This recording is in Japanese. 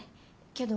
けど。